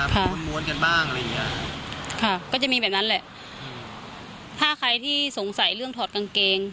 พูดม้วนกันบ้างอะไรอย่างเงี้ยค่ะก็จะมีแบบนั้นแหละถ้าใครที่สงสัยเรื่องถอดกางเกง